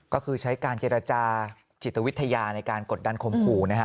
ก็คือใช้การเจรจาจิตวิทยาในการกดดันข่มขู่นะฮะ